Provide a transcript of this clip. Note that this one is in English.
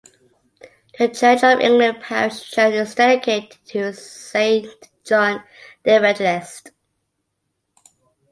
The Church of England parish church is dedicated to Saint John the Evangelist.